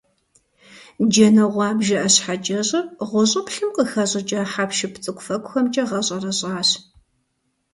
Джанэ гъуабжэ ӀэщхьэкӀэщӀыр гъущӀыплъым къыхэщӀыкӀа хьэпшып цӀыкӀуфэкӀухэмкӀэ гъэщӀэрэщӀащ.